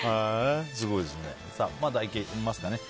すごいですね。